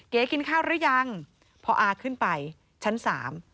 กินข้าวหรือยังพออาขึ้นไปชั้นสาม